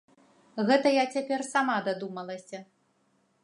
Гэта я цяпер сама дадумалася.